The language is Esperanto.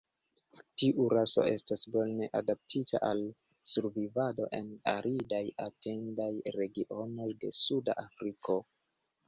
Tiu raso estas bone adaptita al survivado en aridaj etendaj regionoj de Suda Afriko.